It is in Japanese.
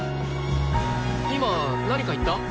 今何か言った？